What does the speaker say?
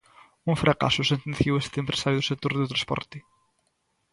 Un fracaso, sentenciou este empresario do sector do transporte.